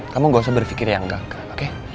kamu ga usah berfikir yang gagal oke